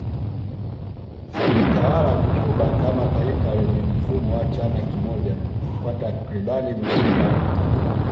Aliitawala Cuba kama taifa lenye mfumo wa chama kimoja kwa takriban nusu karne